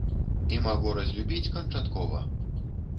І магу разлюбіць канчаткова!